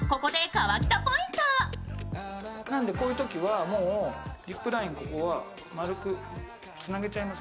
こういうときはリップラインは丸くつなげちゃいます。